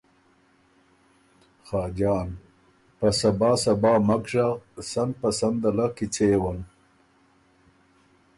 خاجان ـــ په صبا صبا مک ژغ، سن په سن ده له کیڅېون